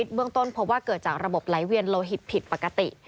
เบื้องต้นพบว่าเกิดจากระบบไหลเวียนโลหิตผิดปกติ